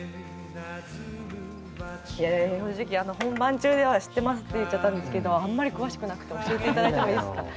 正直本番中では「知ってます」って言っちゃったんですけどあんまり詳しくなくて教えて頂いてもいいですか？